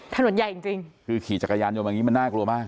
ถนนใหญ่จริงจริงคือขี่จักรยานยนต์อย่างนี้มันน่ากลัวมาก